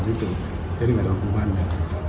jadi tidak ada hubungannya